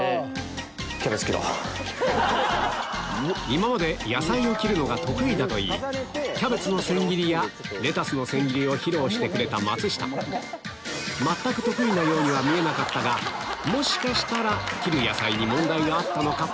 今まで野菜を切るのが得意だと言いキャベツの千切りやレタスの千切りを披露してくれた松下もしかしたら切る野菜に問題があったのか？